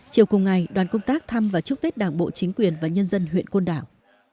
chiều cùng ngày đoàn công tác thăm và chúc tết đảng bộ chính quyền và nhân dân huyện côn đảo